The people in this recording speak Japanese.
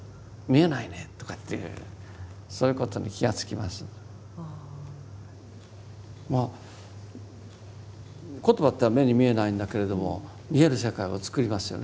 まあ言葉というのは目に見えないんだけれども見える世界を作りますよね。